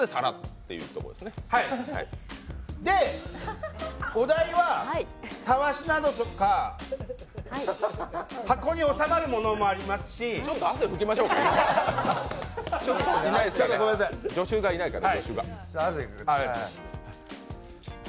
で、お題はたわしなどとか箱に収まるものもありますしちょっと汗拭きましょうか、助手がいないから。